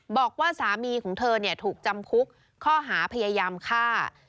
บอกว่าสามีของเธอถูกจำคุกข้อหาพยายามฆ่า